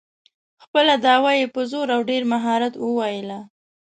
خپله دعوه یې په زور او ډېر مهارت وویله.